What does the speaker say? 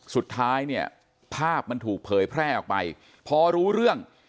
สุดท้ายเนี่ยภาพมันถูกเผยแพร่ออกไปพอรู้เรื่อง